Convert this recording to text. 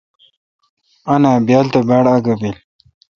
آں نا ۔بیال تہ باڑ آگہ بیل۔